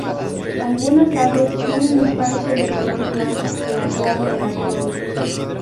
Algunas aves tienen un parche de color blanco plateado en la corona.